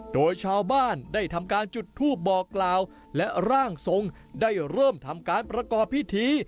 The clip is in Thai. โดยชาวบ้านได้ทำการจุดทูปบอกกล่าวและร่างทรงได้เริ่มทำการประกอบพิธี